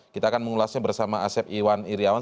kita akan mengulasnya bersama asep iwan iryawan